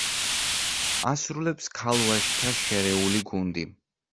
ასრულებს ქალ-ვაჟთა შერეული გუნდი.